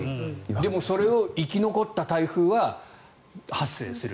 でもそれを生き残った台風は発生する。